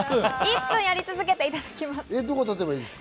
１分やり続けていきます。